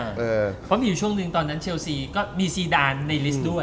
เพราะมีอยู่ช่วงหนึ่งตอนนั้นเชลซีก็มีซีดานในลิสต์ด้วย